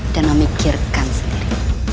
dan memikirkan sendiri